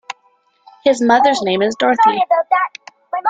His mother's name is Dorothi.